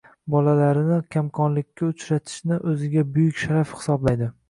bolalarini kamqonlikka uchratishni o‘ziga “buyuk sharaf” hisoblaydigan